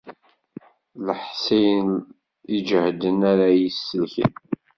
D leḥṣin iǧehden ara y-isellken.